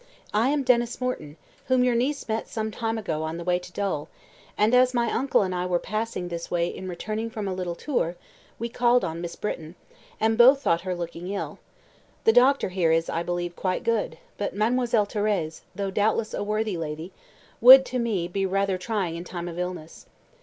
I am Denys Morton, whom your niece met some time ago on the way to Dol, and, as my uncle and I were passing this way in returning from a little tour, we called on Miss Britton, and both thought her looking ill. The doctor here is, I believe, quite good, but Mademoiselle Thérèse, though doubtless a worthy lady, would, to me, be rather trying in time of illness.